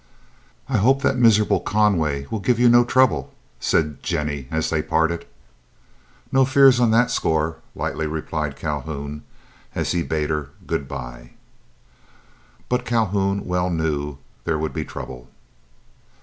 "I hope that miserable Conway will give you no trouble," said Jennie, as they parted. "No fears on that score," lightly replied Calhoun, as he bade her good bye. But Calhoun well knew there would be trouble.